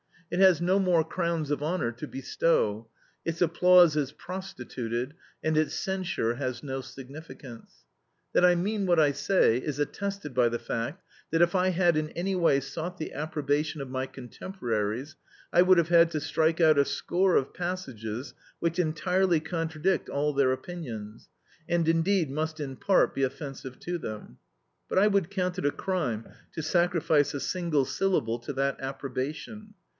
It has no more crowns of honour to bestow; its applause is prostituted, and its censure has no significance. That I mean what I say is attested by the fact that if I had in any way sought the approbation of my contemporaries, I would have had to strike out a score of passages which entirely contradict all their opinions, and indeed must in part be offensive to them. But I would count it a crime to sacrifice a single syllable to that approbation.